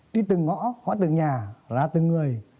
đi từng ngõ khỏi từng nhà ra từng người